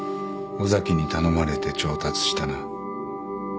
尾崎に頼まれて調達したな？